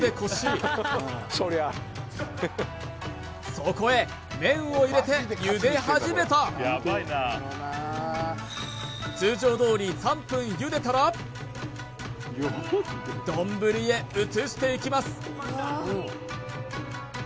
そこへ麺を入れて茹で始めた通常どおり３分茹でたら丼へ移していきます